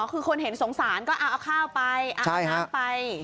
คือคนเห็นสงสารก็เอาข้าวไปเอาน้ำไป